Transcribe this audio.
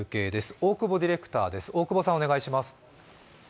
大久保ディレクターです。